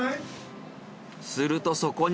するとそこに。